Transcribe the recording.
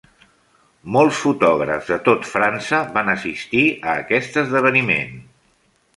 Molts fotògrafs de tot França van assistir a aquest esdeveniment.